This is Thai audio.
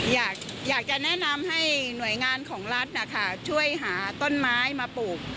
อยากจะแนะนำให้หน่วยงานของรัฐนะคะช่วยหาต้นไม้มาปลูก